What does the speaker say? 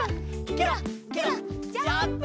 ケロッケロッジャンプ！